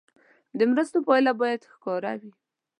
د مرستو پایله باید ښکاره وي.